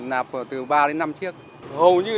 nạp từ ba đến năm chiếc hầu như